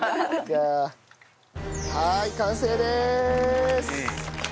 はい完成です。